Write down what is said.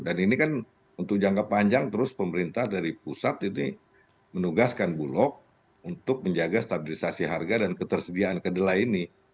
dan ini kan untuk jangka panjang terus pemerintah dari pusat ini menugaskan bulog untuk menjaga stabilisasi harga dan ketersediaan kedelai ini